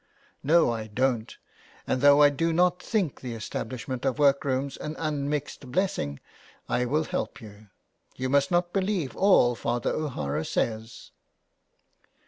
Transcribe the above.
'^No, I don't. And though I do not think the estab lishment of workrooms an unmixed blessing I will help you. You must not believe all Father O'Hara says.''